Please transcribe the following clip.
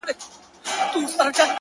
• مرگ دی که ژوند دی ـ